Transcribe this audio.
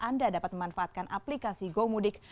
anda dapat memanfaatkan aplikasi gomudik